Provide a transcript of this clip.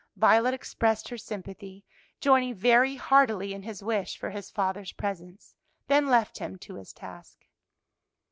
Violet expressed her sympathy, joining very heartily in his wish for his father's presence, then left him to his task.